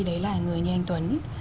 đấy là người như anh tuấn